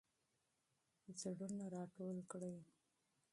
زړونه راټول کړئ.